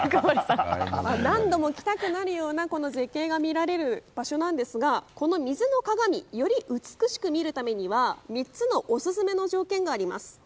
何度も来たくなるような絶景を見られる場所なんですがこの水の鏡より美しく見るためには３つのオススメの条件があります。